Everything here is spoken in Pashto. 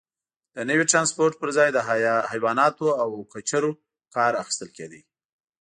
د نوي ټرانسپورت پرځای له حیواناتو او کچرو کار اخیستل کېده.